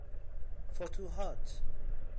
فتوحات